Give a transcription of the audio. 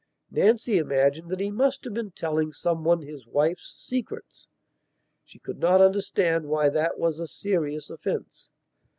Nancy imagined that he must have been telling some one his wife's secrets; she could not understand why that was a serious offence.